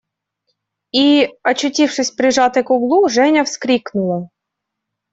И, очутившись прижатой к углу, Женя вскрикнула.